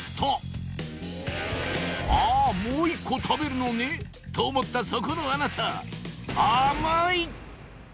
あもう１個食べるのねと思ったそこのあなた甘い！